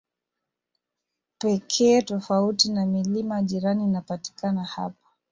pekee tofauti na milima jirani inapatikana hapa